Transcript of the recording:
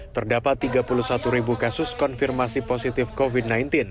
terdapat tiga puluh satu ribu kasus konfirmasi positif covid sembilan belas